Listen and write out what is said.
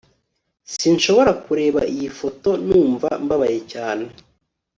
sinshobora kureba iyi foto ntumva mbabaye cyane